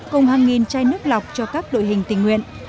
cùng hai chai nước lọc cho các đội hình tình nguyện